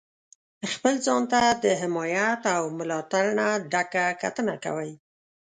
خپل ځان ته د حمایت او ملاتړ نه ډکه کتنه کوئ.